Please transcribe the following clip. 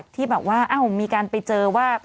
ที่มีการไปเจอว่า